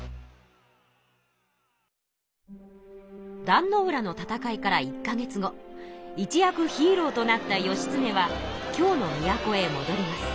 壇ノ浦の戦いから１か月後一躍ヒーローとなった義経は京の都へもどります。